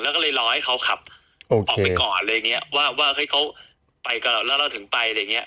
แล้วก็เลยรอให้เขาขับออกไปก่อนอะไรอย่างเงี้ยว่าว่าเฮ้ยเขาไปกับเราแล้วเราถึงไปอะไรอย่างเงี้